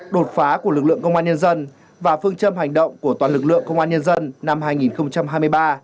đột phá của lực lượng công an nhân dân và phương châm hành động của toàn lực lượng công an nhân dân năm hai nghìn hai mươi ba